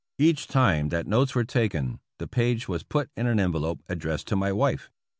Each time that notes were taken, the page was put in an envelope addressed to my wife.